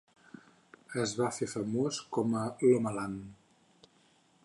Es va fer famós com a "Lomaland".